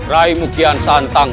rai mukian santang